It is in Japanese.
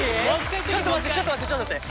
ちょっと待ってちょっと待ってちょっと待って。